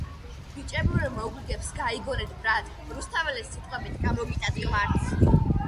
ბიჭები ვერ მოგვიგებს გაიგონეთ ბრატ რუსთაველის სიტყვებით გამოგიტანთ კვართს